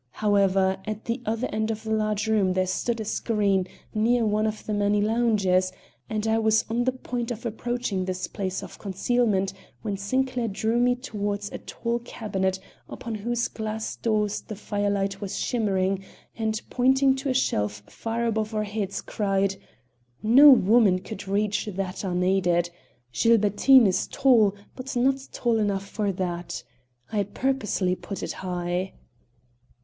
However, at the other end of the large room there stood a screen near one of the many lounges, and I was on the point of approaching this place of concealment when Sinclair drew me toward a tall cabinet upon whose glass doors the firelight was shimmering, and, pointing to a shelf far above our heads, cried: "No woman could reach that unaided. Gilbertine is tall, but not tall enough for that. I purposely put it high."